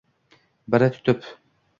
Biri tutib